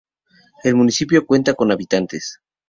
El municipio cuenta con habitantes.